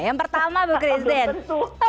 yang pertama bu christine